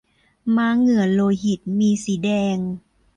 ม้าเหงื่อโลหิต มีสีแดง